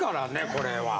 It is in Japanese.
これは。